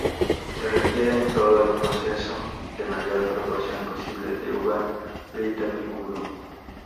Se requiere en todo el proceso la mayor proporción posible de uva prieto picudo.